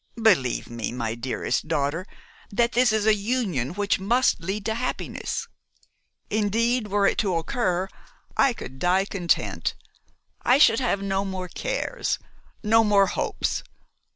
Believe me, my dearest daughter, that this is an union which must lead to happiness. Indeed, were it to occur, I could die content. I should have no more cares, no more hopes.